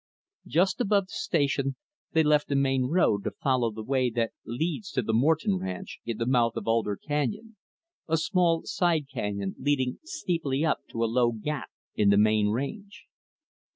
Just above the Station, they left the main road to follow the way that leads to the Morton Ranch in the mouth of Alder Canyon a small side canyon leading steeply up to a low gap in the main range.